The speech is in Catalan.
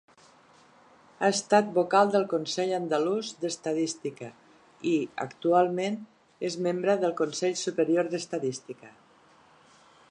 Ha estat Vocal del Consell Andalús d'Estadística i, actualment, és membre del Consell Superior d'Estadística.